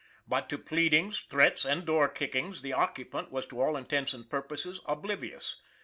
But to pleadings, threats, and door kickings the occupant was, to all intents and purposes, oblivi ous.